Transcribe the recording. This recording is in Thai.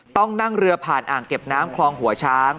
ต้องนั่งเรือผ่านอ่างเก็บน้ำคลองหัวช้าง